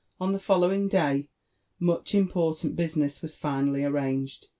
On the following day much important business was finally arraaged.